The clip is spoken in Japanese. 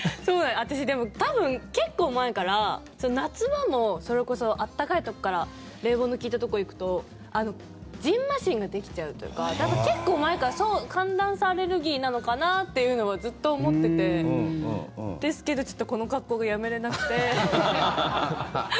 私、でも、多分結構前から夏場もそれこそ暖かいところから冷房の利いたところに行くとじんましんができちゃうというかだから、結構前から寒暖差アレルギーなのかな？っていうのはずっと思っててですけど、ちょっとこの格好がやめられなくて。